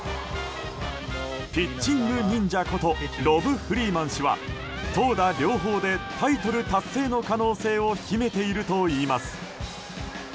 ピッチングニンジャことロブ・フリーマン氏は投打両方でタイトル達成の可能性を秘めているといいます。